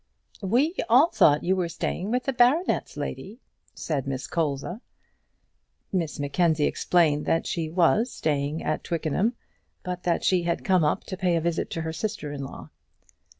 "We all thought you were staying with the baronet's lady," said Miss Colza. Miss Mackenzie explained that she was staying at Twickenham, but that she had come up to pay a visit to her sister in law.